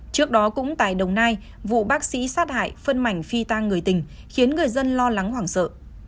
trước đó cũng tại đồng nai vụ bác sĩ sát hại phân mảnh phi tang người tình khiến người dân lo lắng hoảng sợ